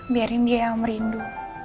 biarin dia yang merindu